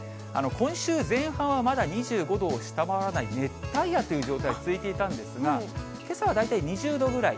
今週前半はまだ２５度を下回らない熱帯夜という状態、続いていたんですが、けさは大体２０度ぐらい。